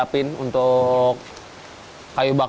tapi di ruangan lain airnya asap